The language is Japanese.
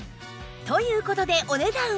という事でお値段は？